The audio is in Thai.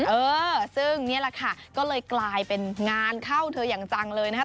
เออซึ่งนี่แหละค่ะก็เลยกลายเป็นงานเข้าเธออย่างจังเลยนะคะ